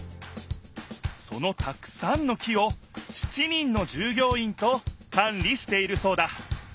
そのたくさんの木を７人のじゅうぎょういんとかん理しているそうだ